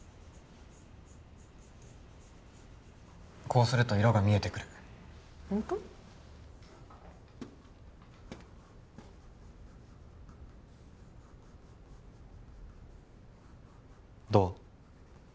こうすると色が見えてくるホント？どう？